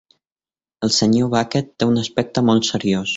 El senyor Bucket té un aspecte molt seriós.